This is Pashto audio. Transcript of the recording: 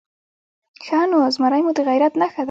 _ښه نو، زمری مو د غيرت نښه ده؟